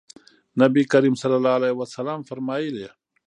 نبي کریم صلی الله علیه وسلم فرمایلي: